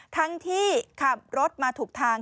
ทั้งที่ขับรถมาถูกทาง